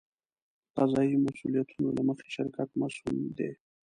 د قضایي مسوولیتونو له مخې شرکت مسوول دی.